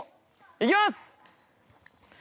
行きます！